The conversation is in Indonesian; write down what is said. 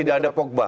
tidak ada pogba